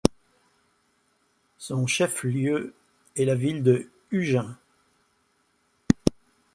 Son chef-lieu est la ville de Ujjain.